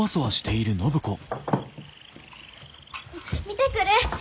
見てくる！